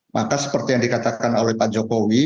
maka seperti yang dikatakan oleh pak jokowi